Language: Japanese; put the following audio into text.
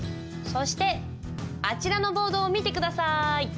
そしてあちらのボードを見て下さい。